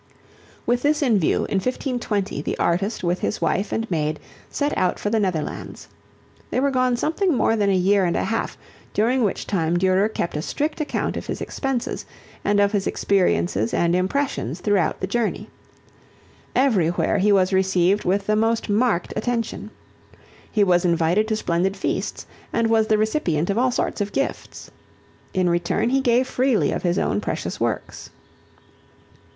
With this in view, in 1520, the artist with his wife and maid set out for the Netherlands. They were gone something more than a year and a half, during which time Durer kept a strict account of his expenses and of his experiences and impressions throughout the journey. Everywhere he was received with the most marked attention. He was invited to splendid feasts, and was the recipient of all sorts of gifts. In return he gave freely of his own precious works.